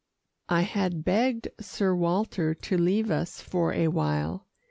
I had begged Sir Walter to leave us for a while.